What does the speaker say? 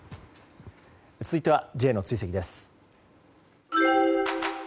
続いてはＪの追跡です。